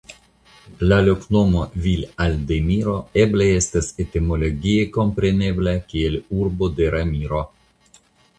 La loknomo "Villaldemiro" eble estas etimologie komprenebla kiel "Urbo de Ramiro".